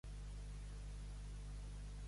Fer un vestit de saliva.